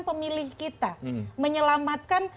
pemilih kita menyelamatkan